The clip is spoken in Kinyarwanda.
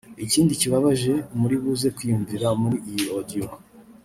Ikindi kibabaje muri buze kwiyumvira muri iyi audio